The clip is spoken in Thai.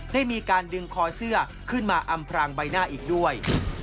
ได้มีการดึงคอเสื้อขึ้นมาอำพรางใบหน้าอีกด้วย